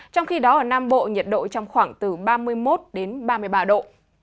trong khi đó ở nam bộ nhiệt độ trong khoảng từ ba mươi một đến ba mươi ba độ